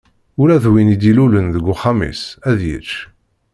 Ula d win i d-ilulen deg uxxam-is, ad yečč.